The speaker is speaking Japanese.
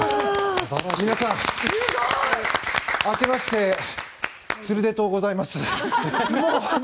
皆さん明けましてつるでとうございます。